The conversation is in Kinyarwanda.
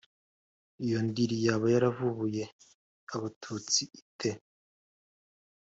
iyo ndiri yaba yaravubuye abatutsi ite